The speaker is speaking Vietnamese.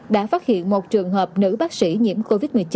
đã phát hiện một trường hợp nữ bác sĩ nhiễm covid một mươi chín